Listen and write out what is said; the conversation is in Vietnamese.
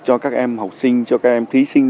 cho các em học sinh cho các em thí sinh